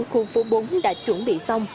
khu phố bốn đã chuẩn bị xong